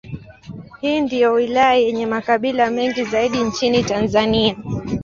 Hii ndiyo wilaya yenye makabila mengi zaidi nchini Tanzania.